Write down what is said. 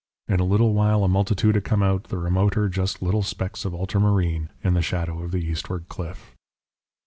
In a little while a multitude had come out, the remoter just little specks of ultramarine in the shadow of the eastward cliff.